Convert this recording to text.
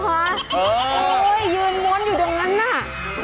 เออยืนม้วนอยู่ดังนั้นนะ